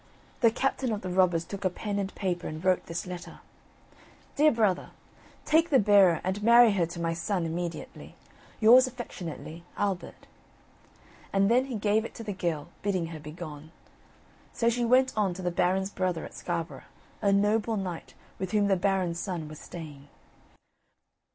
The captain of the robbers took a pen and paper and wrote this letter: "Dear Brother, Take the bearer and marry her to my son immediately. "Yours affectionately, "Albert." And then he gave it to the girl, bidding her begone. So she went on to the Baron's brother at Scarborough, a noble knight, with whom the Baron's son was staying.